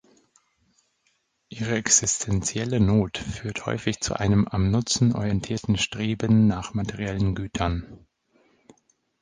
Ihre existenzielle Not führt häufig zu einem am Nutzen orientierten Streben nach materiellen Gütern.